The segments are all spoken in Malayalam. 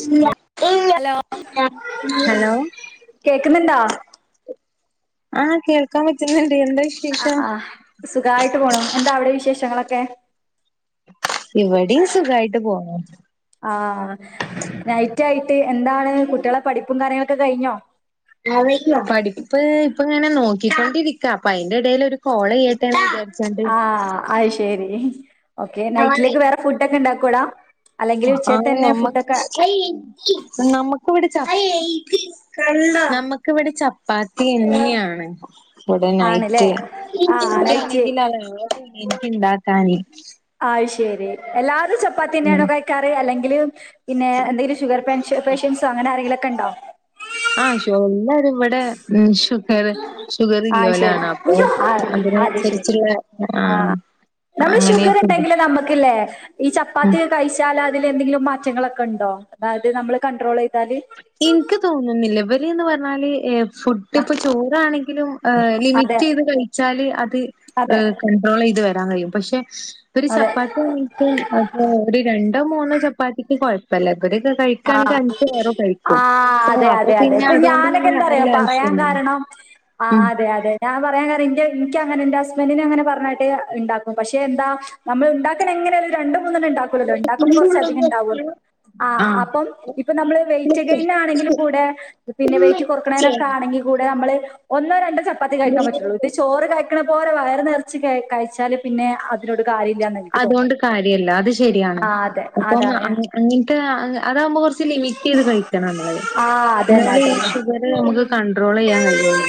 ഇല്ല ഹലോ കേക്കുന്നുണ്ടാ ആഹ് കേൾക്കാൻ പറ്റുന്നണ്ട് എന്താ വിശേ ആ ആ സുഖായിട്ട് പോണം എന്താ അവിടെ വിശേഷങ്ങളൊക്കെ ഇവടിം സുഖായിട്ട് പോണു ആ നൈറ്റ് ആയിട്ട് എന്താണ് കുട്ടികളെ പഠിപ്പും കാര്യങ്ങളൊക്കെ കഴിഞ്ഞോ അത പഠിപ്പ് ഇപ്പ ഇങ്ങനെ നോക്കിക്കൊണ്ടിരിക്ക അപ്പൊ അതിന്റെ ഇടൽൊ ഒരു കോള യുട്ടെന്ന്വിചാരിച്ചണ്ട് അയ് ശെരി ഓക്കെ നൈറ്റിലേക്ക് വേറെ ഫുഡൊക്കെ ണ്ടാക്കൂടാ അ നമ്മക്ക് നമ്മക്ക് വിടിച്ച നമക്ക് വിടെ ചപ്പാത്തി എന്നെയാണ് ഇവിടെ ആണല്ലേ നൈറ്റ് ആ ഇൻകാ നൈറ്റ് ണെങ്കിൽ അത് [unintelligible] എനക്ക് ഇണ്ടാക്കാന് ആ ശെരി എല്ലാരും ഉം ചപ്പാത്തിന്നെയണൊ കയ്ക്കാറ് അല്ലെങ്കില് പിന്നെ എന്തെങ്കിലും ഷുഗർ പെൻ പേഷ്യൻസോ അങ്ങനെ ആരെങ്കിലൊക്കെ ണ്ടോ ആ ഷുഗർ എല്ലാരും ഇവടെ ഷുഗർ ഷുഗർ ആഹ് ശരി ഇല്ലോലാണ് അപ്പ ആഹ് അത് ശരി അതിനനുസരിച്ചുള്ള ആഹ ആഹ് നമ്മള് ഷുഗർ ഇണ്ടെങ്കില് നമ്മുക്ക്ല്ലേ ഈ ചപ്പാത്തി കഴിച്ചാൽ അതിൽ എന്തെങ്കിലും മാറ്റങ്ങളൊക്കെ ഉണ്ടോ അതായത് നമ്മള് കണ്ട്രോൾ ചെയ്താല് ഇൻക്ക് തോന്നുന്നില്ല വല്ന്ന് പറഞ്ഞാല് എ ഫുഡ് ഡ്ഇപ്പൊ ചോറാണെങ്കിലും ഏ അതെ ലിമിറ്റ് ചെയ്ത് കഴിച്ചാല് അത് ഏ അതെ ക ൺട്രോള് ചെയ്ത് വരാൻ കഴിയും പക്ഷെ ഒരു അതെ ചപ്പാത്തി അതൊ ഒരു രണ്ടോ മൂന്നോ ചപ്പാത്തിക്ക് കൊഴപ്പല്ല ഇവരൊക്കെ കഴിക്ക ക്കാണെങ്കി അഞ്ചും ആറും ആ അതെ അതെ അതെ ഇപ്പൊ ഞാനൊക്കെ പിന്നെ എന്താറിയ നല്ല പറയാൻ ആവശ്യല്ല കാരണം ആ ഉം അതെ അതെ ഞാൻ പറയാൻ കാര്യം ൻ്റെ എനിക്കങ്ങനെ ൻ്റെ ഹസ്ബൻഡറിിന അങ്ങനെ പറഞ്ഞായിട്ട് ഇണ്ടാക്കും പക്ഷെ എന്താ നമ്മൾ ഉണ്ടാക്കണ എങ്ങനായലും രണ്ട് മൂന്നണ്ണം ഉണ്ടാക്കുലല്ലോ ഉണ്ടാക്കുമ്പോൾ കുറച്ച അധികംണ്ടാവൂുള്ളൂ ആ അപ്പം ഇപ്പൊ നമ്മള് വെയ്റ്റ് കൈയിന്ന ആഹ് ആണെങ്കിലും കൂടെ പിന്നെ വെയിറ്റ് ഉമ്മച്ചേ കൊറക്കണാനൊക്കെ ആണെങ്കിൽ കൂടെ നമ്മള് ഒന്നോ രണ്ടോ ചപ്പാത്തി കഴിക്കാൻ പറ്റുള്ളൂ ഇത് ചോറ് കഴിക്കണ പോലെ വയർ നേറച്ച് ക കഴിച്ചാല് പിന്നെ അതിനോട് കാര്യമില്ല അതുകൊണ്ട് കാര്യല്ല അത് ശരിയാണ് അതെ അപ്പം അതാണ് അങ്ങനത്തെ അതാകുമ്പോൾ കുറച്ച് ലിമിറ്റ് ചെയ്ത് കഴിക്കണം നമ്മളെ ആഹ് അതന്നെ എന്നാല ഈ അതന്നെ ഷുഗർ നമുക്ക് കണ്ട്രോൾ ചെയ്യാൻ കഴിയുള്ളൂ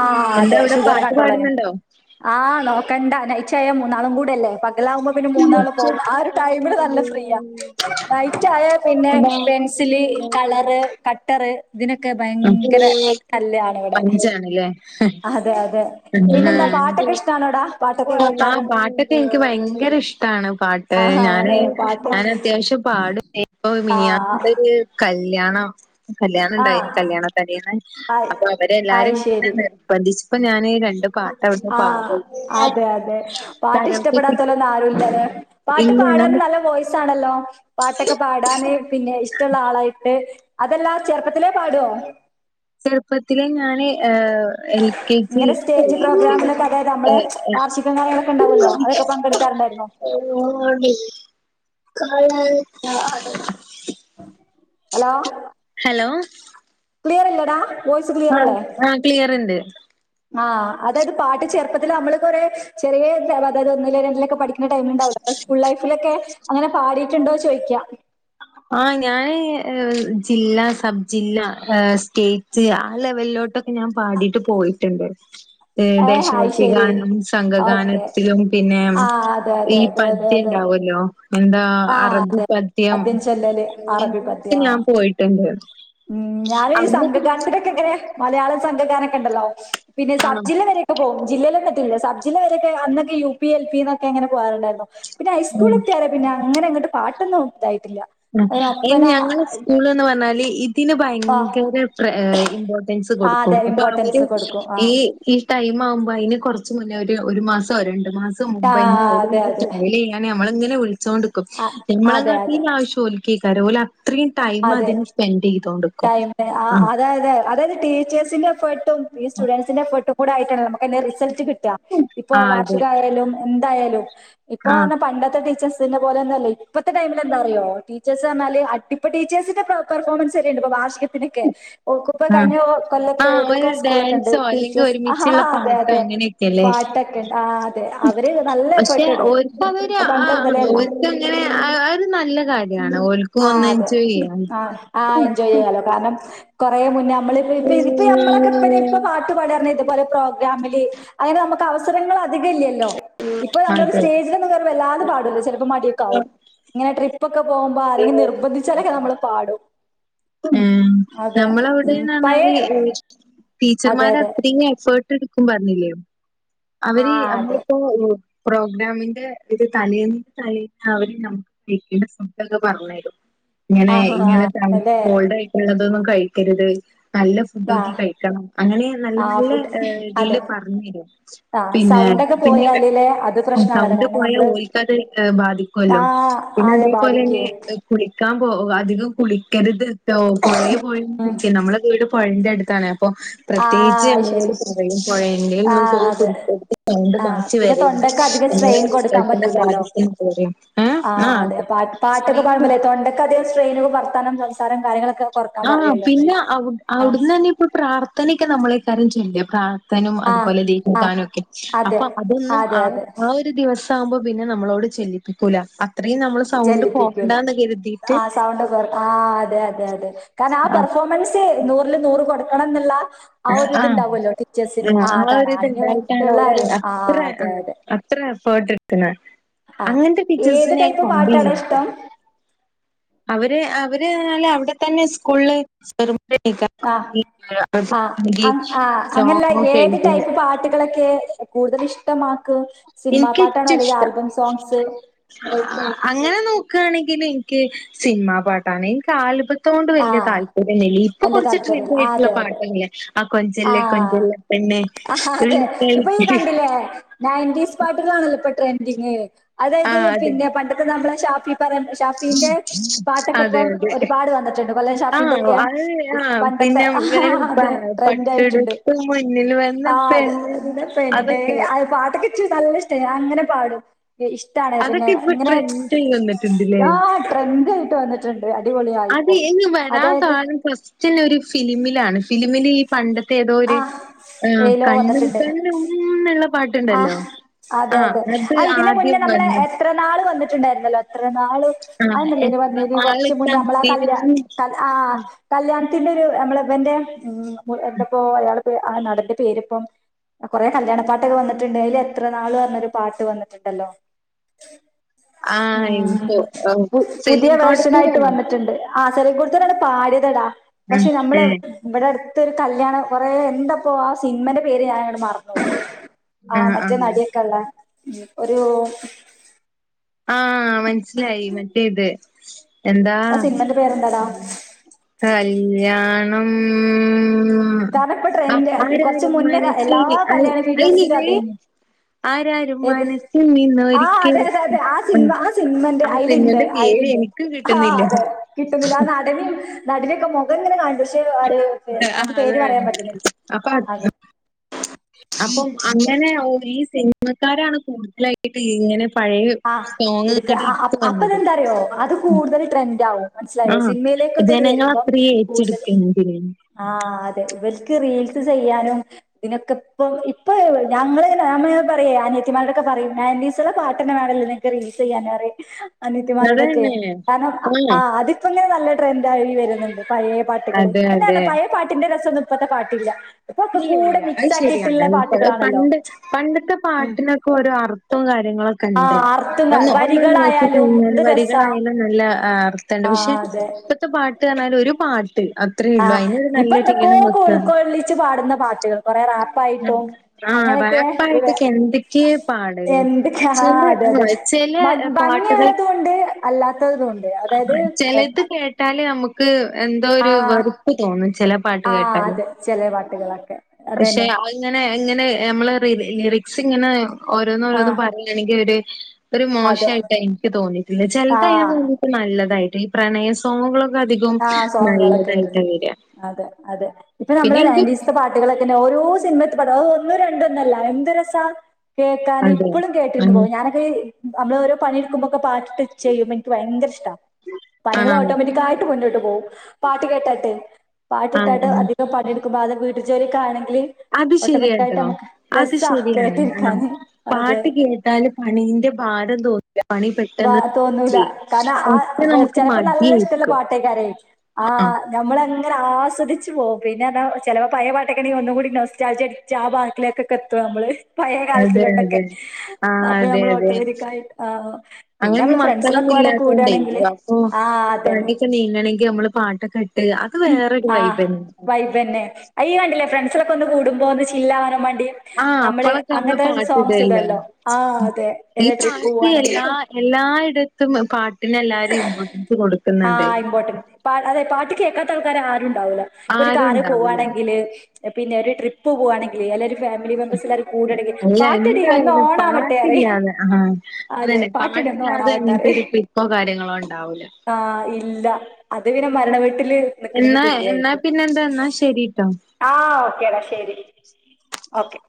ആഹ് അതെ എവിടെ ഷുഗർ പാട്ട് കണ്ട്രോൾ ചെയ്യാൻ പാടുന്നുണ്ടോ ആഹ് നോക്കണ്ടാ നൈറ്റായ മൂന്നാളും കൂടെല്ലേ പകലാകുമ്പോ മൂന്നാള് പോവും ആ ഒരു ടൈമല് നല്ല ഫ്രീയാ നൈറ്റിയ പിന്നെ പെൻസിില് കളറ് കട്ടർ ഇതിനൊക്കെ ഭയങ്കര തല്ലാണ് ഇവിടെ, അതെ അതെ പിന്നെന്താ പാട്ടൊക്കെ ഇഷ്ടാണോടാ പാട്ടൊക്കെ ആ കേൾക്കാറ് പാട്ടൊക്കെ എനിക്ക് ഭയങ്കര ഇഷ്ടാണ് പാട്ട് ഏ ആഹാ ഞാന് ആണ് പാട്ട് ഞാൻ അത്യാവശ്യം പാടും. ഇപ്പോ മിനിയാന്ന് ആഹ് ഇവിടെ ഒരു കല്യാണം കല്യാണം ആഹ് ഇണ്ടായിന്, കല്യാണ തലേന്ന് ആഹ് അപ്പോ അവരെല്ലാരും അയ് ഇങ്ങനെ ശരി നിർബന്ധിച്ചപ്പോ ഞാൻ രണ്ടു പാട്ട് അവിടുന്നു ആ പാടി. അതെ അതെ പാട്ട് കരോക്കെക്ക് ഇഷ്ടപ്പെടാത്തോലൊന്നും ആരുല്ലലേ പാട്ട് ഇല്ല പാടാനും നമ്മ നല്ല വോയിസാണല്ലോ. പാട്ടൊക്കെ പാടാന് പിന്നെ ഇഷ്ടള്ള ആളായിട്ട്, അതെല്ല ചെറുപ്പത്തിലേ പാടുവോ? ചെറുപ്പത്തില് ഞാന് ഏ എൽ കെ ജി. ഇങ്ങനെ സ്റ്റേജ് പ്രോഗ്രാമിലൊക്കെ അതായത് നമ്മളെ വാർഷികം കാര്യങ്ങളൊക്കെ ഉണ്ടാവുമല്ലോ അതൊക്കെ പങ്കെടുക്കാറുണ്ടായിരുന്നോ [unintelligible] [unintelligible] അലോ ഹലോ ക്ലിയറല്ലേടാ വോയ്സ് ക്ലിയർ ആഹ് അല്ലേ? ആഹ് ക്ലിയറ്ണ്ട്. ആ അതായത് പാട്ട് ചെറുപ്പത്തില് നമ്മള് കൊറെ ചെറിയെ അതായത് ഒന്നില് രണ്ടിലൊക്കെ പഠിക്ക ണ ടൈമ് ഉണ്ടാവല്ലോ അപ്പൊ സ്കൂൾ ലൈഫിലൊക്കെ അങ്ങനെ പടിയിട്ടുണ്ടോ ചോയ്ക്കാ ആ ഞാന് ജില്ല സബ് ജില്ല എ സ്റ്റേറ്റ് ആ ലെവലിലോട്ട് ഒക്കെ ഞാൻ പാടീട്ട് പോയിട്ടുണ്ട്. ഏ ഹായ് ദേശഭക്തി ശരി ഗാനം ഓക്കെ സംഘഗാനത്തിലും പിന്നെ ആ അതെ അതെ ഈ അതെ അതെ പദ്യം അതെ ഉണ്ടാവല്ലോ. എന്താ ആ അറബി അതെ പദ്യം ചൊല്ലല് അറബി അങ്ങൻത്തീലൊക്കെ പദ്യം ആ ഞാൻ പോയിട്ടുണ്ട്. ഉം ഞാനൊരു അവിടന്നൊക്കെ സംഘഗാനത്തിലൊക്കെങ്ങനെ മലയാളം സംഘഗാനൊക്കെണ്ടല്ലോ പിന്നെ ആഹ് സബ്ജില്ല വരെ ക്കെ പോവും ജില്ലയിൽ വന്നിട്ടില്ല സബ് ജില്ല വരെയൊക്കെ അന്നൊക്കെ യു പി എൽ പി ന്നൊക്കെ ഇങ്ങനെ പോകാറുണ്ടായിരുന്നു. പിന്നെ ഹൈസ്കൂൾ ഉം എത്തിയരേ പിന്നെ അങ്ങനെ അങ്ങോട്ട് പാട്ടൊന്നും ഇതായിട്ടില്ല. ഉം അങ്ങനെ അയിന് ഒപ്പന ഞങ്ങളെ സ്കൂള് ന്ന് പറഞ്ഞാല് ഇ ത്തിന് ആ ഭയങ്കര പ്ര ഏ ഇമ്പോർട്ടൻസ് ആ കൊടുക്കും അതെ അപ്പൊ അവര് ഇമ്പോർട്ടൻസ് കൊടുക്കും ആ ഈ ഈ ടൈം ആവുമ്പോ അയിന് കൊറച്ച് മുന്നേ ഒരു ഒരു മാസോ രണ്ടു മാസോ ആ മുമ്പന്നെ ഓല് അതെ ഇങ്ങളെ അതെ ട്രയല് ചെയ്യ അനെ ഞമ്മളെ ഇങ്ങനെ വിളിച്ചോണ്ട്ക്കും ആ ഞമ്മളെ അതെ കാട്ടി അതെ ആവശ്യം ഓൽക്കെക്കാരം ഓല് അത്രീം അതെ ടൈമതിന് സ്പെന്റീതോണ്ട്ക്കും ഉം. അതേതെ അതത് ടീച്ചേഴ്സിന്റെ എഫോർട്ടും ഈ സ്‌റ്റുഡൻസിന്റെ എഫോർട്ടും കൂടെ ആയിട്ടാണ് നമുക്കയിന്റെ റിസൾറ്റ് കിട്ടാ ഇപ്പൊ അതെ. വാർഷികയാലും എന്തായാലും ഇപ്പോ ആഹ് ന്ന് പറഞ്ഞാപണ്ടത്തെ ടീച്ചേഴസ് തിന്ന പോലെന്നൊല്ലയ് ഇപ്പത്തെ ടൈമിലെന്താറിയോ ടീച്ചേഴ്സ് പറഞ്ഞാല് അടി ഇപ്പോ ടീച്ചേഴ്സിന്റെ പ്ര പെർഫോമൻസ് വരെ ഉണ്ട് ഇപ്പോ വാർഷികത്തിനൊക്കെ ഓക്ക്പ്പോ ആഹ്. കഴിഞ്ഞ കൊല്ലൊക്കെ ആഹ് ഏതൊക്കോ ഒരു സ്കൂളിലൊക്കണ്ട് ഡാൻസോ അല്ലെങ്കി പീഷ്യസ് ഒരുമിച്ചുള്ള അതെ പാട്ടോ അതെ അങ്ങനെയൊക്കെയല്ലേ. പാട്ടൊക്കെ ആ അതെ അവര് നല്ല പക്ഷെ എഫേർട്ട് ഇടും, ഓര്ക്കതൊരു അത് പണ്ട് ആഹ് ഓര്ക്കങ്ങനെ അ അതൊരു ആ, മുതലേള്ളത ഓർക്ക് അങ്ങനെ അതൊരു നല്ല കാര്യാണ്, ഓൽക്കും ആ ഒന്ന് അതെ എൻജോയ് ചെയ്യാം. ആ ആ എൻജോയ് ചെയ്യാലോ, കാരണം കൊറെ മുന്നേ നമ്മള് ഇപ്പം ഇപ്പം നമ്മളൊക്കെ ഇപ്പനെ ഇപ്പൊ പാ ട്ട് പാടാ പറഞ്ഞാ ഇതുപോലെ പ്രോഗ്രാമില് അങ്ങനെ നമുക്ക് അവസരങ്ങള് അധികം ഇല്ല്യ ല്ലോ ഇപ്പോ നമ്മളൊരു അതെ സ്റ്റേജിലൊന്നും കയറി വല്ലാതെ പാടുലല്ലോ, ചെലപ്പോ മടിയൊക്കെ ആവും. ഇങ്ങനെ ട്രിപ്പ് ഒക്കെ പോകുമ്പോ ആരെങ്കിലും നിർബന്ധിച്ചാലൊക്കെ നമ്മൾ പാടും ഉം അതെ ഉം നമ്മളവിടെന്ന്റ പഴേ ഞ്ഞാല് അതെ ടീച്ചർമാരെ അതെ അത്രയും എഫേർട്ട് എടു ക്കും പറഞ്ഞിലേ. ആ അവര് അതെ നമ്മളിപ്പോ പ്രോഗ്രാമിന്റെ ഒരു തലേന്ന് തല അവര് നമ്മ ഈറ്റിംഗ്സ് ഫുഡൊക്കെ പറഞ്ഞ് തരും ഇങ്ങനെ ആഹാ ഇങ്ങനെ അവിടത്തെ അതെ ഫോൾടായിട്ട് ഉള്ളതൊന്നും കഴിക്കരുത്. നല്ല ഫുഡ് ആ നോക്കി കഴിക്കണം, അങ്ങനെ നല്ല ആ നല്ല ഫുഡ് അതെ ഇതില് പറഞ്ഞ് തരും. ആ പിന്നെ സൗണ്ടൊക്കെ പിന്നെ പോയാല് ലെ അത് പ്രശ്നാണല്ലോ സൗണ്ട് കാരണം പോയാ നമ്മള് ഓല്ക്കത് ബാധി ക്കോലോ ആഹ് പിന്നെ അതെ അതേ ബാധിക്കുവേ പോലെന്നെ കുളിക്കാൻ പോവ അധികം കുളിക്കരുത് ട്ടോ, പുഴയിൽ പോയി ഉം കുളിക്ക നമ്മളെ വീട് പുഴന്റെ അടുത്താണ് അപ്പൊ പ്രത്യേകിച്ച് ആഹ് ശരി ഞമ്മളോട് പറയും പുഴന്റെൽ ആഹ് പോയി അതെ കുളി കണ്ട് ആഹ് മാറ്റി പിന്നെ വരരുത് തൊണ്ടക്ക് അധികം നമ്മെ സ്ട്രെയിൻ 'റിസൾട്ടിന്റെ ബാധിക്കും എന്ന് പറയും ഏഹ് ആ ആഹ് അതെ പാട്ടൊക്കെ പാടുമ്പോ ല്ലേ തൊണ്ടക്ക് അധികം സ്ട്രെയിന് വർത്തനം സംസാരം കാര്യങ്ങളൊക്കെ, കൊറക്കാൻ ആ പറയുവല്ലോ അവര് പിന്നെ അവ് ആഹ് അവിടുന്നന്നെ ഇപ്പൊ പ്രാർത്ഥനൊക്കെ നമ്മളെ കാര്യം ചെയ്യ പ്ര ക്കാനും ആഹ് അതുപോലെ ആഹ് ലീവ്ട്ക്കാനൊക്കെ അതെ അപ്പൊ അതൊന്നും അതെ ആ അതെ ആ ഒര് ഒരു ദിവസാവുമ്പോ പിന്നെ നമ്മളോട് ചെല്ലിപ്പിക്കൂല അത്രയും നമ്മള് സൗണ്ട് പോകണ്ടാന്ന് കെര്തിട്ട് [unintelligible] ആ അതെ അതെ അതെ കാരണം ആ ആഹ് പെർഫോമൻസ് റ്റ് നൂറില് നൂറ് കൊടുക്കണംന്ന്ള്ള ആ ഒരു ഇതുണ്ടാവല്ലോ ടീച്ചേഴ്സിന് ആ ഒരു അതാണ് അയ്ന് ഇത്ണ്ടായിട്ടാണ് വേണ്ടിട്ടുള്ളൊരു ആ അതെ അതെ ത്ര എഫേട്ട് ഇട്ത്ത്ണ് ആ അങ്ങൻത്തെ ഏത് ടീച്ചേഴ്സ്നെ ഞാൻ ടൈപ്പ് പാട്ടാടാ കണ്ടില്ലട്ടൊ ഇഷ്ടം അവര് അവര്ന്ന് ർഞാല് അവടെ തന്നെ സ്കൂളില് [unintelligible] അം ആ അങ്ങൻ ല്ല സോങ്ങൊക്കെ ഏത് എഴുതല്. ടൈപ്പ് പാട്ടുകളൊക്കെ കൂടുതൽ ഇഷ്ടമാക്ക് സിനിമാ എനിക്ക് പാട്ടാണോ ഏറ്റവും അല്ലെങ്കിൽ ഇഷ്ടം ആൽബം സോങ്സ് അങ്ങനെ നോക്കാണെങ്കില് ഇൻക്ക് സിനിമാ പാട്ടാണ് ഇൻക്ക് ആൽബ അതൊണ്ട് ആ വെല്യ താല്പര്യംന്നില്ല ഇപ്പൊ വല്യ കൊർച്ച് താല്പര്യല്ല ആ ട്രെൻഡായിട്ടുള്ള അതെ അതെ പാട്ടില്ലെ ആ ആ കൊഞ്ചല്ലെ കൊഞ്ചല്ലെ ആ അതെ ഇപ്പൊ ഇയ്യ് കണ്ടില്ലേ ണയന്റീസ് പാട്ടുകളാണല്ലോ ഇപ്പൊ ട്രെൻഡിങ് ആ അതായത് അതെ പിന്നെ പണ്ടത്തെ നമ്മളെ ഷാഫി പറ ഷാഫിന്റെ അതെ പാട്ടൊക്കെപ്പം അതെ ഒരു പാട് വന്ന് കൊല്ലം ആ ഷാഫിന്റൊക്കെ അത് ആ പണ്ടത്തെ പിന്നെ ആ വേറെ പ അതെ ട്രെൻഡായിട്ട്ണ്ട് പട്ടെടുത്ത് മുന്നിൽ വന്ന ആ അത് പെണ്ണ് ന്ത പെണ്ണേ അതൊക്കെ അത് പാട്ടക്കൊ നല്ല ഇഷ്ടായി ഞാൻങ്ങനെ പാടും ഇഷ്ട്ടാണ് പിന്നെ അതൊക്കെ ഇപ്പൊ ങ്ങനെ ട്രെൻഡായി വന്നിട്ടുണ്ട്ല്ലേ? ലാ ട്രെൻഡായിട്ട് വന്ന്ട്ട്ണ്ട് അത് അടിപൊളിയായിപ്പം ഇനി വരാൻ [unintelligible] ഒരു ഫിലിമിലാണ് ഫിലിമിലീ പണ്ടത്തെ ഏതോര് ആ ഏലോ കണ്ണും വന്നിട്ടുണ്ട്. കണ്ണും ന്ന്ള്ള ആ അതെ അതെ ആ ഇതിന് മുന്നേ ആദ്യം നമ്മളെ വന്ന് എത്ര നാള് വന്നിട്ടുണ്ടായിരുന്നല്ലോ എത്ര നാള് ആഹ് അതെന്നല്ലേ എത്ര വന്നീന് നാള് കൊർച്ച് മുന്നേ നമ്മളാ കല്യാണ കാത്തിരുന്നു ത ആ കല്യാണത്തിന്റൊരു നമ്മളെവന്റെ ഉം എന്തപ്പോ അയാള് ന്റെ ആ നടന്റെ പേരിപ്പം കൊറെ കല്യാണ പാ ട്ടൊക്കെ വന്നിട്ട്ണ്ട് അയ്ല് എത്ര നാള് പർഞൊരു പാട്ട് വന്ന്ട്ട്ണ്ടല്ലോ ആ ആഹ് എനിക്കോ ഓഹ് പു പുതിയ സെലിൻ വേഷനായിട്ട് കോടത്തൂരാണോ? വന്ന്ട്ട്ണ്ട് ആ [unintelligible] കൂട്ത്തെന്നെ പാടിയതതാ ഉം പക്ഷെ നമ്മള് ഉം ഇവടട്ത്തൊരു കല്യാണം കൊറെ എന്തപ്പോ ആ സിനിമന്റെ പേര് ഞാനങ്ങട്ട് മർന്നോയി ആ ആഹ് മറ്റേ ആഹ് നടിയൊക്കെള്ളെ ഒരു ആ മൻസ്സിലായി മറ്റേത് എന്താ ആ സിനിമന്റെ പേരെന്താടാ കല്യാണം കാരണം ഇപ്പ അ ട്രെൻഡ് കൊറച്ച് ആരാരും മുന്നേ എല്ലാ മനസ്സിനെ അത് കല്യാണ വീഡിയോസിലും അയ്ന്ല്ലേ അതേനി ആരാരും ഏത് മനസ്സിൽ നിന്നൊരിക്കലും ഉം സിൻമ ആ സിൻമന്റെ ആ അയ്ല്ണ്ട് സിംഗിന്റെ പേര് അയ്ല്ണ്ട് എനിക്കും ആ കിട്ടുന്നില്ല അതെ കിട്ടുന്നില്ല ആ ടനിം നടിന്റൊക്കെ മൊഖങ്ങനെ കാൺണ്ട് പക്ഷെ ആ [unintelligible] അതാണ് പറ്റുന്നില്ല അപ്പൊ അതെ അട്ത്ത് അപ്പം അങ്ങനെ ഓരീ സിൻമക്കാരാണ് കൂടുതലായിട്ടിങ്ങനെ പഴേ ആ സോങ് എടുക്ക ങ്ങട്ട് ആ അ- ട്ത്ത് അപ്പൊ വെന്നത് അതെന്താ അറിയോ അത് കൂടുതൽ ട്രെൻഡാവും മൻസ്സിലായോ ആഹ് സിൽമേലൊക്കൊക്കെത് ജനങ്ങൾ വെരുമ്പം അത്രയും കൂട്തലും ഏറ്റെടുക്കാണ് ഇതിനെ ആ അതെ ഇവർക്ക് റീൽസ് ചെയ്യാനും ഇതിനൊക്കെ ഇപ്പൊ ഇപ്പൊ ഞങ്ങള് ങ്ങനെ ഞങ്ങള്ങ്ങനെ പറയേ അനിയിത്തിമാരൊടൊക്കെ പറയും ണയന്റീസിലെ പാട്ട് ട്ടെന്നെ വേണം ല്ലെ നിങ്ങക്ക് റീൽസെയ്യാന് പറയും അനിയത്തിമാരോടൊക്കെ അതന്നെ കാരണം ആ ആഹ് അത് പ്പങ്ങനെ നല്ല ട്രെൻഡായി വെര്ന്ന്ണ്ട് പഴേ പാട്ടുകള് അതെ അതെ [unintelligible] പഴേ പാട്ടിന്റെ രസൊന്നും ഇപ്പത്തെ പാട്ടില്ല ഇപ്പൊ ഒക്കെ ഇല്ല കൂടെ ഇല്ല അത് മിക്സ് ശരിയാണ് ആക്കിയിട്ടുള്ള ഇപ്പ പാട്ടുകളാണല്ലോ പണ്ട് പണ്ടത്തെ പാട്ടിനൊക്കെ ഓരോ അർത്ഥവും കാര്യങ്ങളൊക്കെ ഉണ്ട്. ആഹ് അർത്ഥം ഒന്ന് നോക്കി വരികളായാലും കഴിഞ്ഞാൽ എന്ത് രസാ വരികളായാലു നല്ല അർത്ഥണ്ട് പക്ഷെ ആഹ് അതെ ഇപ്പഴത്തെ പാട്ട് കാണാ ഒരു പാട്ട് അത്രേ ഉള്ളൂ. ആഹ് അയിനൊരു ഇപ്പൊ നല്ലൊരു എന്തൊക്കോ ഈണം വെക്കാ. കൊക്കൊള്ളിച്ച് പാടുന്ന പാട്ടുകൾ കുറെ റാ ഉപ്പായിട്ടോ ആഹ് അങ്ങനെയൊക്കെ ഒരു റാപ്പായിട്ടൊക്കെ എന്തൊക്കെയാ പാടല്. എന്തൊക്ക ആ ചില അതെ അതെ ആഹ് ചില പാട്ടുകൾ ഭംഗിയുള്ളത് ഉണ്ട് അല്ലാത്തതും ഉണ്ട് അതായത് ചെലത് കേട്ടാല് നമുക്ക് എന്തോ ഒരു ആഹ് വെറുപ്പ് തോന്നും ചില പാട്ട് ആഹ് കേട്ടാല് അതെ ചില പാട്ടുകളൊക്കെ അതെ ഇങ്ങനെ ഇങ്ങനെ നമ്മള് ലിറിക്സ് ഇങ്ങനെ ഓരോന്ന് ഓരോന്നന്ന് ആഹ് പറയുകയാണെങ്കിൽ ഒരു ഒരു അതെ മോശമായിയിട്ട് എനിക്ക് തോന്നിയിട്ടുണ്ട് ചിലത ആഹ് നല്ലതായിട്ട് ഈ പ്രണയം സോങ്ങുകളൊക്കെ അധികം ആന് സോങ്ങുകളൊക്കെ വരുന്നു അതെ അതെ ഇപ്പൊ നമ്മള പിന്നെ എനിക്ക് നൈറ്റി സിസ് ത്തെ പാട്ടുകളൊക്കെ ഓരോ സിനിത്തെമേപാട്ട് അ ത്ഒന്നും രണ്ട് ഒന്നല്ല എന്ത് രസ കേക്കാന് അതെ. ഇപ്പോഴും കേട്ടിരുന്നു ആഹ് പോവും ഞാന് നമ്മള് ഓരോ പണിടുക്കുമ്പോക്കെ പാട്ട് ഇട്ട് ചെയ്യും എനിക്ക് ഭയങ്കര ഇഷ്ടമാണ് പണികൾ ആണോ? ഓട്ടോമാറ്റിക് കേട്ട് മുന്നോട്ട് പോകും പാട്ട് കേട്ടട്ട് ആഹ് പാട്ടിട്ടാട്ട് ആഹ് അധികം പണി ക്കുമ്പ അത് വീട്ട് ജോലിക്കാണെങ്കിൽ അത് ശരിയാട്ടോ അത് ശരിയാണ് ആഹ കേട്ടിരിക്കാന് അതെ പാട്ട് കേ ട്ടാല് പണീന്റെ ഭാരം തോന്നില്ല പണി വ പെട്ടെന്ന് തീരും തോന്നുല ചെയ്യും. കാരണം ആ മറ്റേ നമുക്ക് ചിലപ്പോ നല്ല ഇഷ്ടമല്ല മടിയായിരിക്കും. പാട്ടേക്കാരെ ആഹ് നമ്മള് അങ്ങനെ ആസ്വദിച്ചു പോകും പിന്നെ ആ ചില പഴയ പാട്ടൊക്കെണെ ഒന്നും കൂടി നൊസ്റ്റാൾജി ആ ബാക്കിലൊക്കെ എത്തുവ നമ്മള് പഴയ അതെ കാലത്തിലോട്ടൊക്കെ അതെ. ആഹ് അപ്പൊ അതെ നമ്മൾ അതെ. ഓട്ടോമാറ്റിക്കായി ആഹ് പിന്നെ അങ്ങനെ നമ്മള് മക്കളൊന്നും ഫ്രണ്ട്സിലൊക്കെപാടെ ഇല്ലാത്തോണ്ടെ കൂടാണെങ്കില് അപ്പൊ ആഹ് അതന്നെ. പണി നീങ്ങണെങ്കി നമ്മള് പാട്ടൊക്കെ ഇട്ട് അത് വേ ആഹ് വൈബ്ന്നെ അയ് കണ്ടില്ലേ ഫ്രണ്ട്സിലൊക്കെ ഒന്ന് കൂടുമ്പോ ഒന്ന് ചില്ലാാവാനൻ വേണ്ടി ആഹ് നമ്മള് അപ്പളൊക്കെ നമ്മള് അങ്ങനത്തെ സോങ്സ് പാട്ടിടല്ലോ ഇടല്ലോ ആ അതെ ഈ ഏത ട്രിപ്പ് പാട്ട് പോകവാണെങ്കിൽ എല്ലാ എല്ലായിടത്തും പാട്ടിന് എല്ലാരും ഇമോട്ടൻസ് ആ കൊടുക്കുന്നുണ്ട് ഇമ്പോർട്ടന്റ്. അതെ പാട്ട് കേൾക്കാത്ത ആൾക്കാര ആരും ഉണ്ടാവില്ല ഇപ്പൊ ഒരു ആരും കാറിൽ ഉണ്ടാവില്ല പോകുകയാണെങ്കില് പിന്നെ ഒരു ട്രി പ്പ് പോവാണെങ്കിൽ എല്ലരും ഫാമിലി മെമ്പേഴ്സ് എല്ലാരും കൂടെങ്ക അല്ല പാട്ടിടി ഒന്ന് എന്തായാലും ഓണാവട്ടെ പറേയും പാട്ടില്ലാതെ ആഹ് അതന്നെ പാട്ടില്ലാതെ എങ്ങട്ടൊ ഒരു ട്രിപ്പോ കാര്യങ്ങളോ ഉണ്ടാവൂല ആഹ് ഇല്ല അത് പിന്നെ മരണ വീട്ടില് നിക്കണേന് എന്നാ എന്നാ പിന്നെ എന്താന്നാ എന്നാശരിട്ടോ ആഹ് ഓക്കേടാ ശരി ഓക്കെ